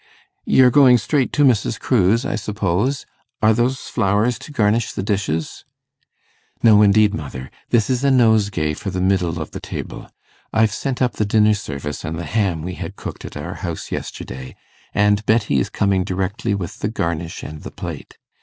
'You're going straight to Mrs. Crewe's, I suppose? Are those flowers to garnish the dishes?' 'No, indeed, mother. This is a nosegay for the middle of the table. I've sent up the dinner service and the ham we had cooked at our house yesterday, and Betty is coming directly with the garnish and the plate.